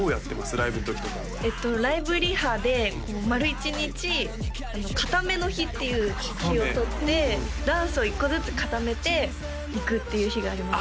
ライブのときとかライブリハでこう丸一日固めの日っていう日を取ってダンスを１個ずつ固めていくっていう日があります